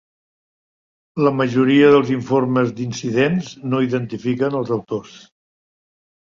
La majoria dels informes d'incidents no identifiquen els autors.